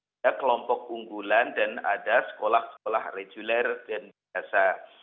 ada kelompok unggulan dan ada sekolah sekolah reguler dan biasa